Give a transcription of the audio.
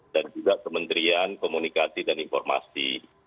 dan juga kementerian komunikasi dan informasi